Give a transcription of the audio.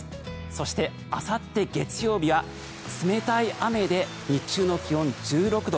そして、あさって月曜日は冷たい雨で日中の気温、１６度。